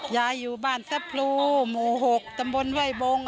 อย่าอยู่บ้านเซฟรูหมู่๖ตำบลเว้ยบง